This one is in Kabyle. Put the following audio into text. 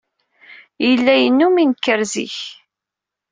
Yella yennum inekker zik.